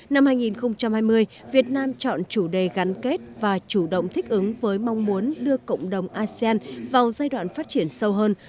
năm hai nghìn hai mươi việt nam chọn chủ đề gắn kết và chủ động thích ứng với mong muốn đưa cộng đồng asean vào giai đoạn phát triển sâu hơn